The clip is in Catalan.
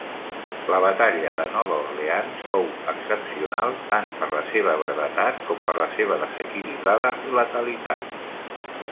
La batalla de Nova Orleans fou excepcional tant per la seva brevetat com per la seva desequilibrada letalitat.